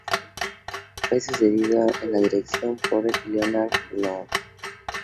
Fue sucedido en la dirección por Leonard Lord.